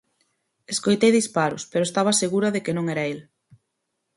Escoitei disparos, pero estaba segura de que non era el.